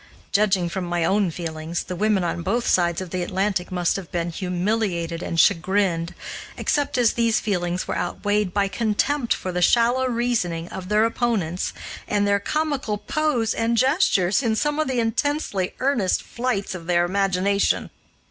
Judging from my own feelings, the women on both sides of the Atlantic must have been humiliated and chagrined, except as these feelings were outweighed by contempt for the shallow reasoning of their opponents and their comical pose and gestures in some of the intensely earnest flights of their imagination.